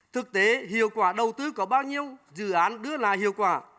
thực tế hiệu quả đầu tư có bao nhiêu dự án đưa lại hiệu quả